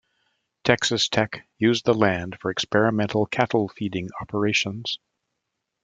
Texas Tech used the land for experimental cattle-feeding operations.